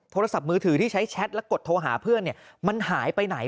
โทรศัพท์มือถือที่ใช้แชทและกดโทรหาเพื่อนมันหายไปไหน